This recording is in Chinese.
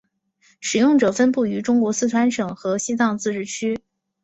使用者分布于中国四川省和西藏自治区。